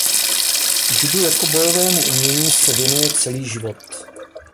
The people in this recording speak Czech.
Judu jako bojovému umění se věnuje celý život.